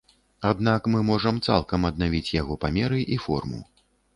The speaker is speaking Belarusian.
Аднак мы можам цалкам аднавіць яго памеры і форму.